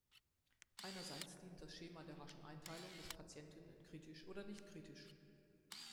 Einerseits dient das Schema der raschen Einteilung des Patienten in kritisch oder nicht kritisch.